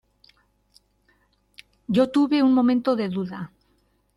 yo tuve un momento de duda: